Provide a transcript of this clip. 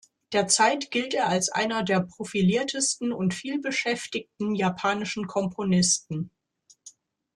Derzeit gilt er als einer der profiliertesten und vielbeschäftigten japanischen Komponisten.